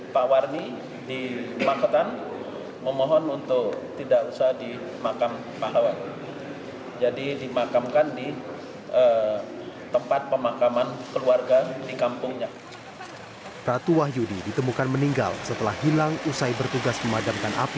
pratu wahyudi ditemukan meninggal setelah hilang usai bertugas memadamkan api